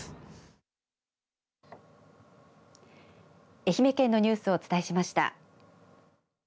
愛媛県のニュースをお伝えしました。